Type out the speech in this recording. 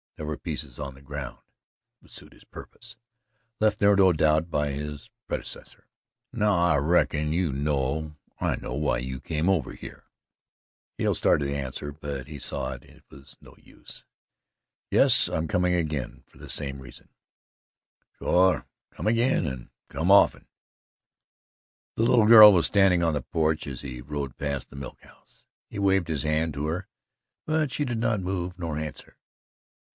There were pieces on the ground that would suit his purpose, left there, no doubt, by his predecessor. "Now I reckon you know that I know why you came over hyeh." Hale started to answer, but he saw it was no use. "Yes and I'm coming again for the same reason." "Shore come agin and come often." The little girl was standing on the porch as he rode past the milk house. He waved his hand to her, but she did not move nor answer.